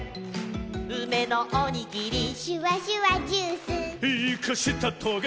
「うめのおにぎり」「シュワシュワジュース」「イカしたトゲ」